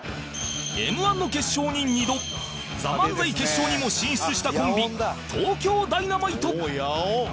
Ｍ−１ の決勝に２度 ＴＨＥＭＡＮＺＡＩ 決勝にも進出したコンビ東京ダイナマイト